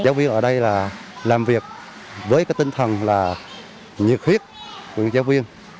giáo viên ở đây là làm việc với cái tinh thần là nhiệt huyết của những giáo viên